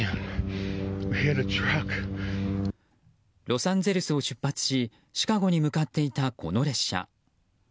ロサンゼルスを出発しシカゴへ向かっていたこの列車。